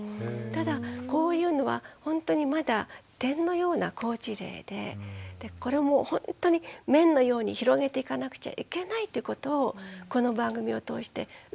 ただこういうのはほんとにまだ点のような好事例でこれもほんとに面のように広げていかなくちゃいけないということをこの番組を通して訴えたいと思いますね。